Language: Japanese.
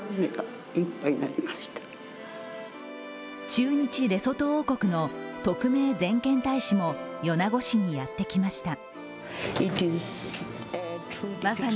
駐日レソト王国の特命全権大使も米子市にやってきました。